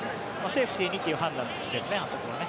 セーフティーにという判断ですねあそこはね。